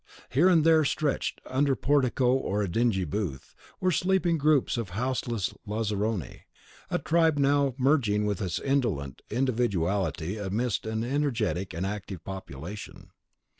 Here and there, stretched under a portico or a dingy booth, were sleeping groups of houseless Lazzaroni, a tribe now merging its indolent individuality amidst an energetic and active population.